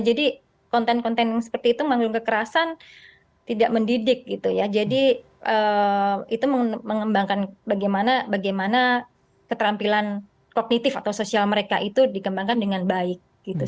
jadi konten konten yang seperti itu mengandung kekerasan tidak mendidik jadi itu mengembangkan bagaimana keterampilan kognitif atau sosial mereka itu dikembangkan dengan baik